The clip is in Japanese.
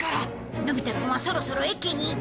のび太くんはそろそろ駅に行って。